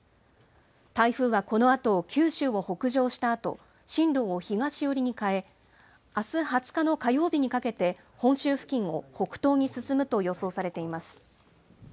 台風はこのあと、九州を北上したあと、進路を東寄りに変え、あす２０日の火曜日にかけて、本州付近を北東に進むと予想されています。